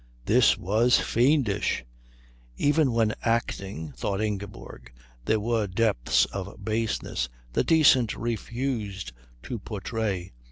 This was fiendish. Even when acting, thought Ingeborg, there were depths of baseness the decent refused to portray.